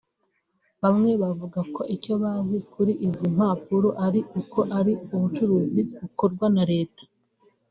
Bamwe bavuga ko icyo bazi kuri izi mpapuro ari uko ari ubucuruzi bukorwa na Leta